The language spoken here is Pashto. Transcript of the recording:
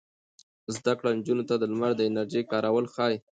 زده کړه نجونو ته د لمر د انرژۍ کارول ښيي.